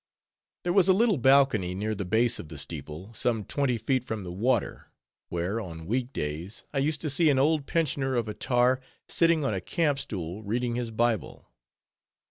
There was a little balcony near the base of the steeple, some twenty feet from the water; where, on week days, I used to see an old pensioner of a tar, sitting on a camp stool, reading his Bible.